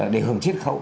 để hưởng triết khẩu